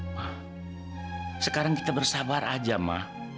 ma sekarang kita bersabar aja mah